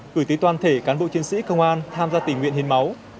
gửi tới toàn thể cán bộ chiến sĩ công an tham gia tình nguyện hiến máu